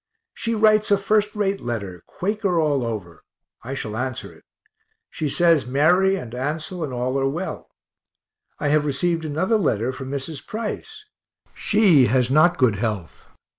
She writes a first rate letter, Quaker all over I shall answer it. She says Mary and Ansel and all are well. I have received another letter from Mrs. Price she has not good health.